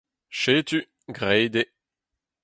Setu, graet eo.